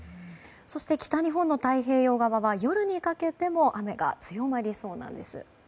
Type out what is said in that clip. そして、北日本の太平洋側は夜にかけても雨が強まりそうなんです。